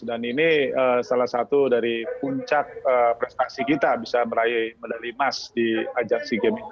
dan ini salah satu dari puncak prestasi kita bisa meraih medali emas di asia sea games